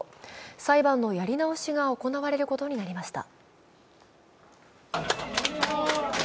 裁判のやり直しが行われることになりました。